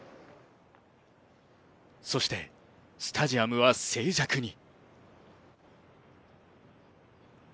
そして、スタジアムは静寂に。